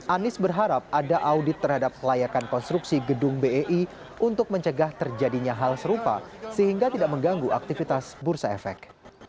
anies berharap ada audit terhadap layakan konstruksi gedung bei untuk mencegah terjadinya hal serupa sehingga tidak mengganggu aktivitas bursa efek